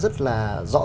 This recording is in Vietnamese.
rất là rất là